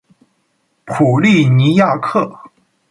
普利尼亚克。